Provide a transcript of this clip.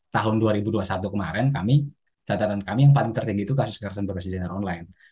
tahun dua ribu dua puluh satu kemarin kami catatan kami yang paling tertinggi itu kasus kekerasan berbasis online